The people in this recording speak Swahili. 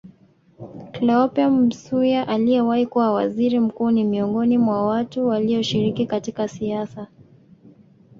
Cleopa Msuya aliyewahi kuwa Waziri Mkuu ni miongoni wa watu walioshiriki katika siasa